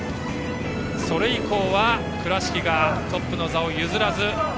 それ以降は倉敷がトップの座を譲らず。